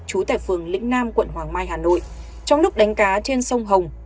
trú tại phường lĩnh nam quận hoàng mai hà nội trong lúc đánh cá trên sông hồng